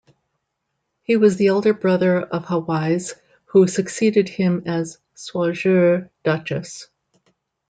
He was the elder brother of Hawise, who succeeded him as "suo jure" duchess.